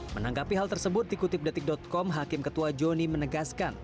menanggapi hal tersebut dikutip detik com hakim ketua joni menegaskan